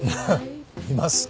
います。